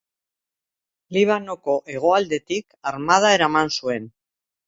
Libanoko hegoaldetik armada eraman zuen.